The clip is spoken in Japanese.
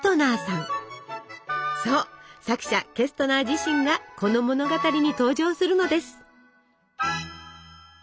そう作者ケストナー自身がこの物語に登場するのです。